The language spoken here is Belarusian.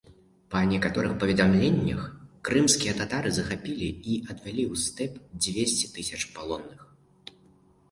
Па некаторых паведамленнях, крымскія татары захапілі і адвялі ў стэп дзвесце тысяч палонных.